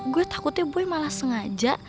gue takutnya gue malah sengaja